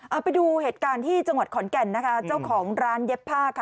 เอาไปดูเหตุการณ์ที่จังหวัดขอนแก่นนะคะเจ้าของร้านเย็บผ้าค่ะ